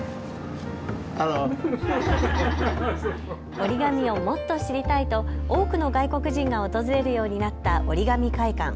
折り紙をもっと知りたいと多くの外国人が訪れるようになったおりがみ会館。